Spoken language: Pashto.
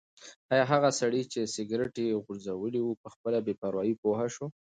ایا هغه سړی چې سګرټ یې غورځولی و په خپله بې پروايي پوه شو؟